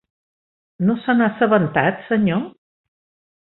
No se n'ha assabentat, senyor?